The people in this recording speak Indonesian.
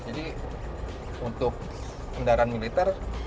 jadi untuk kendaraan militer